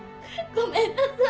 ごめんなさい。